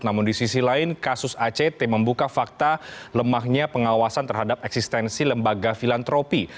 namun di sisi lain kasus act membuka fakta lemahnya pengawasan terhadap eksistensi lembaga filantropi